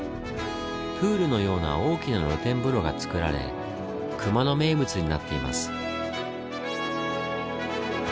プールのような大きな露天風呂がつくられ熊野名物になっています。